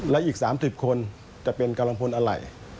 และอีก๓๐คนจะเป็นกำลังพลอะไร